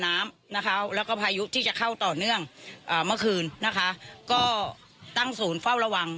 น้ำนะคะแล้วก็พายุที่จะเข้าต่อเนื่องอ่าเมื่อคืนนะคะก็ตั้งศูนย์เฝ้าระวัง